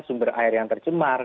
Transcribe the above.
sumber air yang tercemar